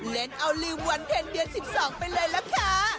เล่นเอาลืมวันเพลงเดือน๑๒ไปเลยล่ะค่ะ